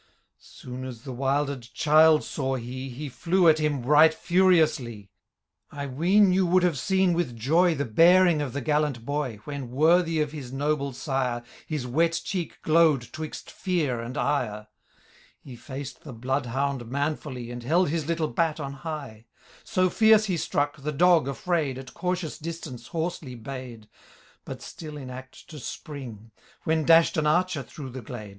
Soon as the wilder'd child saw he. He flew at him right furiouslie. I ween you would have seen with joy The bearing of the gallant boy. When, worthy of his noble sire. His wet cheek glow'd twixt fear and ire ! He faced the blood hound manfully. And held his little bat on high ; So fierce he struck, the dog, afhud. At cautious distance hoarsely bay'd. But still in act to spring ; When dash'd an archer through the glade.